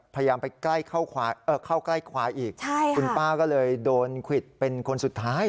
พยายามไปใกล้เข้าใกล้ควายอีกคุณป้าก็เลยโดนควิดเป็นคนสุดท้าย